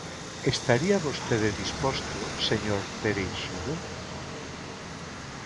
¿Estaría vostede disposto, señor Cereixido?